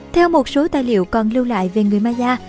theo một số tài liệu còn lưu lại về người maya